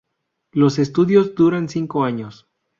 Los estudios duran cinco años.